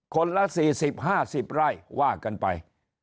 คนละ๔๐๕๐ไร่ว่ากันไป